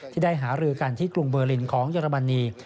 ที่ได้หารือกันที่กรุงเบอร์ลินของเยอรมนี